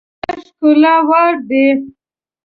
ټوله ښکلا واړه دي.